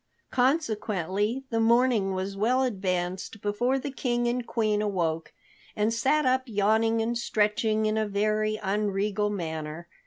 Consequently the morning was well advanced before the King and Queen awoke, and sat up yawning and stretching in a very unregal manner.